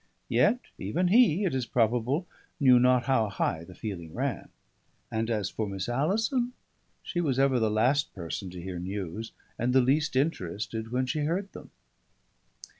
Yet even he, it is probable, knew not how high the feeling ran; and as for Miss Alison, she was ever the last person to hear news, and the least interested when she heard them.